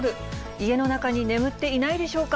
家の中に眠っていないでしょうか。